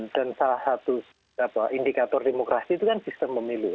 dan salah satu indikator demokrasi itu kan sistem pemilih